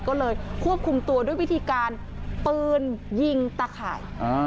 ก็เลยควบคุมตัวด้วยวิธีการปืนยิงตะข่าย